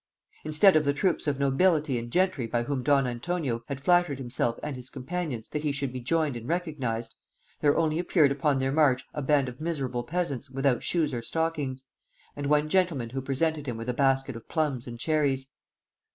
Instead of the troops of nobility and gentry by whom don Antonio had flattered himself and his companions that he should be joined and recognised, there only appeared upon their march a band of miserable peasants without shoes or stockings, and one gentleman who presented him with a basket of plums and cherries.